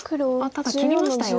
ただ切りましたよ。